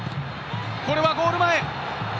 これはゴール前。